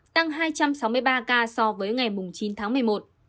tăng hai trăm sáu mươi ba ca so với ngày một mươi một mươi một